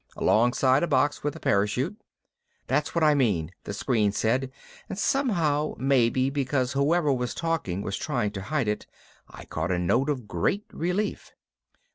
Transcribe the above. Alongside a box with a parachute." "That's what I mean," the screen said and somehow, maybe because whoever was talking was trying to hide it, I caught a note of great relief.